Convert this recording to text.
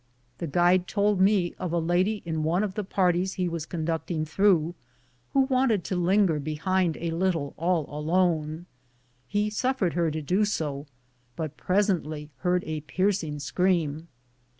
The guide told me of a lady in one of the par ties he was conducting through, who wanted to linger behind a little all alone ; he suffered her to do so, but presently heard a piercing scream.